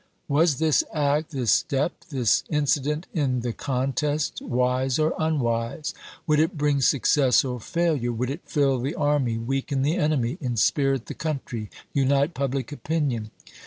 Was this act, this step, this incident in the con test, wise or unwise ? Would it bring success or failure ? Would it fill the army, weaken the enemy, inspirit the country, unite public opinion